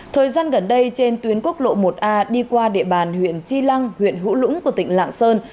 thời gian gần đây trên tuyến quốc lộ một a đi qua địa bàn huyện chi lăng huyện hữu lũng của tỉnh lạng sơn